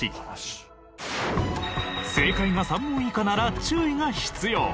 正解が３問以下なら注意が必要。